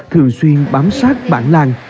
thường xuyên bám sát bản làng